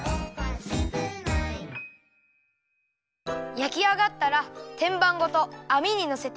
やきあがったらてんばんごとあみにのせてさまします。